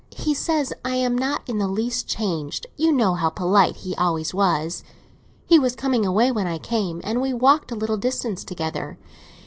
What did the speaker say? He says I am not in the least changed. You know how polite he always was. He was coming away when I came, and we walked a little distance together.